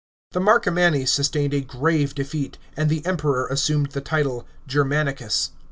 The Marcomanni sustained a grave defeat, and the Kmp r« r assumed the title Germanicus.